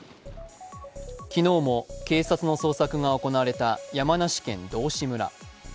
昨日も警察の捜索が行われた山梨県道志村。